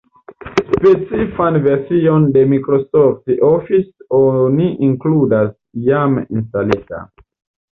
Specifan version de Microsoft Office oni inkludas jam instalita.